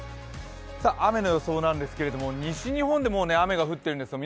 雨の予想なんですけど西日本でもう雨が降ってるんですよ。